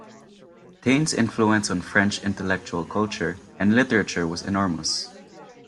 Taine's influence on French intellectual culture and literature was enormous.